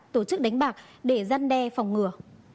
tổ chức đánh bạc để gian đe phòng ngừa